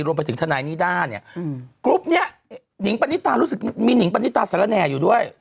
รวมไปถึงทาแนนีราเนี่ยกลุฟเนี่ยหรือซึกมีนิงปันนิตาซารแนะอยู่ด้วย